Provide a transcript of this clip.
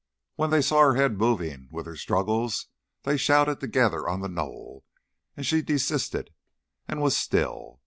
When they saw her head moving with her struggles, they shouted together on the knoll, and she desisted and was still.